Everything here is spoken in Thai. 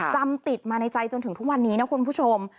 จำติดมาในใจจนถึงทุกวันนี้นะคุณผู้ชม